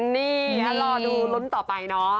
นี่เดี๋ยวเราดูรุ้นต่อไปเนอะ